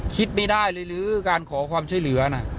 คิดไม่ได้เลยหรือการขอความช่วยเหลือน่ะ